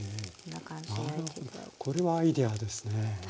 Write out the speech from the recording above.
なるほどこれはアイデアですね！